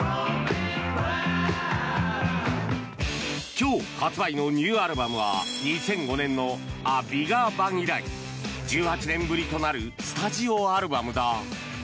今日発売のニューアルバムは２００５年の「ア・ビガー・バン」以来１８年ぶりとなるスタジオアルバムだ。